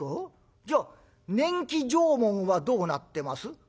じゃあ年季証文はどうなってます？」。